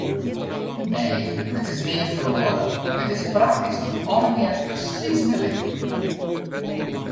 Nee, it is neat feroare, it is praktysk noch allegear persiis gelyk.